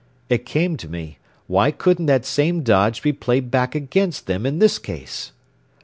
It came to me: Why couldn't that same dodge be played back against them in this case?"